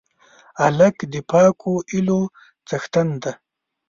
هلک د پاکو هیلو څښتن دی.